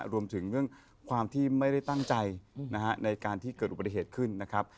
รวมถึงเรื่องความที่ไม่ได้ตั้งใจในการที่เกิดอุบัติเหตุขึ้นนะครับ